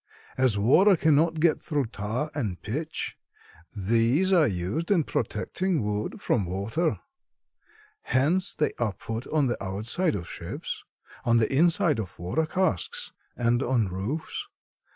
"As water cannot get through tar and pitch, these are used in protecting wood from water. Hence they are put on the outside of ships, on the inside of water casks, and on roofs.